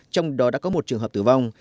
trong đó đã có một trường hợp tử vong